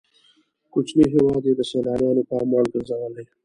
کوچنی هېواد یې د سیلانیانو پام وړ ګرځولی.